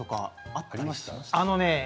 あのね